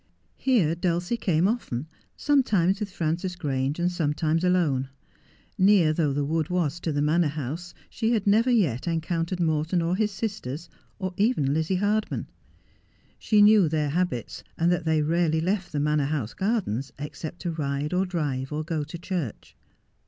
Here Dulcie came often, sometimes with Frances Grange, sometimes alone. Near though the wood was to the Manor House she had never yet encountered Morton or his sisters, or even Lizzie Hardman. She knew their habits, and that they rarely left the Manor House gardens except to ride or drive or go to church.